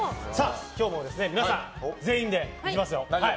今日も皆さん全員でいきますよ。